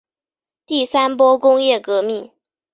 第三波工业革命